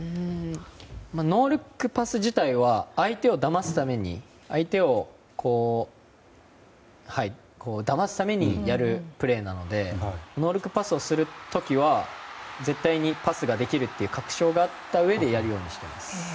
ノールックパス自体は相手をだますために相手をだますためにやるプレーなのでノールックパスをする時は絶対にパスができるという確証があったうえでやるようにしています。